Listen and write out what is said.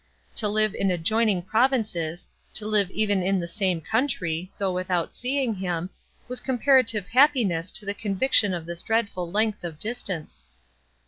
To live in adjoining provinces, to live even in the same country, though without seeing him, was comparative happiness to the conviction of this dreadful length of distance.